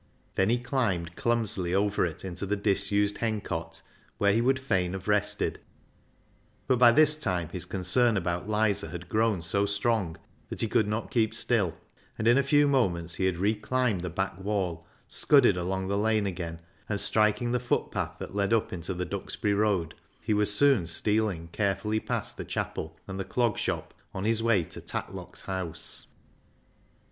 Then he climbed clumsily over it into the disused hencote, where he would fain have rested ; but by this time his concern about Lizer had grown so strong that he could not keep still, and in a few moments he had re climbed the back wall, scudded along the lane again, and striking the footpath that led up into the Duxbury Road, he was soon stealing carefully past the chapel and the Clog Shop on his way to Tatlock's house.